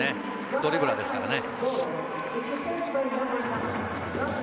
ドリブラーですからね。